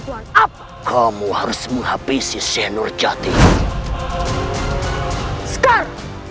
yang harus aku selesaikan